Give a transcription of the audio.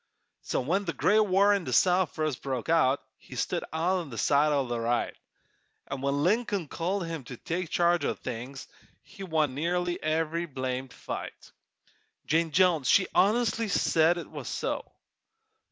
So when the great war in the South first broke out He stood on the side o' the right, An' when Lincoln called him to take charge o' things, He won nearly every blamed fight. Jane Jones she honestly said it was so!